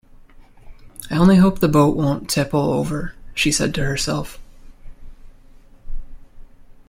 ‘I only hope the boat won’t tipple over!’ she said to herself.